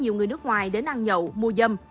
nhiều người nước ngoài đến ăn nhậu mua dâm